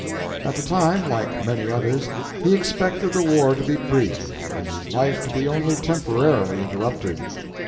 At the time, like many others, he expected the war to be brief, and his life to be only temporarily interrupted.